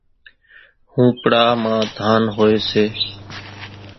ۿونپڙا مان ڌان ھوئي سي،